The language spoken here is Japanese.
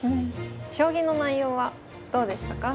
将棋の内容はどうでしたか。